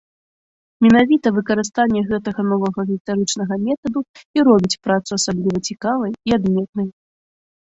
Менавіта выкарыстанне гэтага новага гістарычнага метаду і робіць працу асабліва цікавай і адметнай.